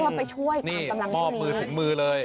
เพื่อไปช่วยความตำรังอยู่นี้มอบมือถึงมือเลย